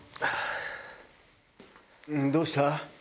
どうした？